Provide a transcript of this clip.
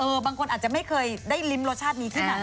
เออบางคนอาจจะไม่เคยได้ลิ้มรสชาตินี้ขึ้นหน่อย